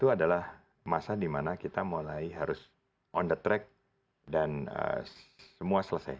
dua ribu dua puluh satu adalah masa dimana kita mulai harus on the track dan semua selesai